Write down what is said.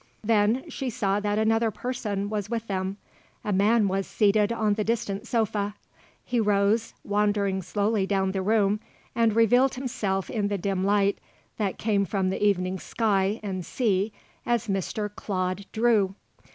Then she saw that another person was with them. A man was seated on the distant sofa. He rose, wandering slowly down the room, and revealed himself in the dim light that came from the evening sky and sea as Mr. Claude Drew.